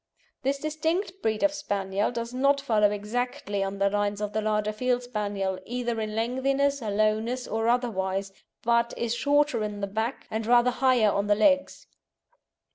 This distinct breed of Spaniel does not follow exactly on the lines of the larger Field Spaniel, either in lengthiness, lowness, or otherwise, but is shorter in the back, and rather higher on the legs.